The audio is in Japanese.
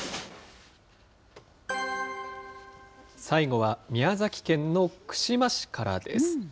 最後は宮崎県の串間市からです。